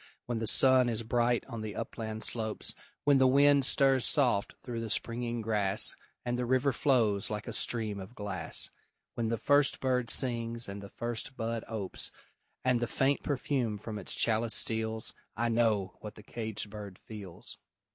When the sun is bright on the upland slopes; When the wind stirs soft through the springing grass, And the river flows like a stream of glass; When the first bird sings and the first bud opes, And the faint perfume from its chalice steals I know what the caged bird feels!